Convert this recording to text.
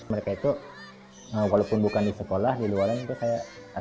mereka itu walaupun bukan di sekolah di luar lain juga saya asal asal